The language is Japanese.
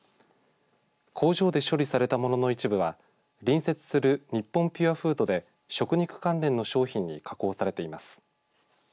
工場で処理されたものの一部は隣接する日本ピュアフードで食肉関連の商品に加工されています。